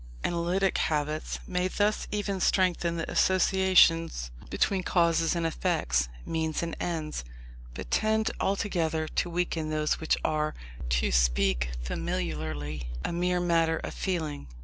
Analytic habits may thus even strengthen the associations between causes and effects, means and ends, but tend altogether to weaken those which are, to speak familiarly, a mere matter of feeling.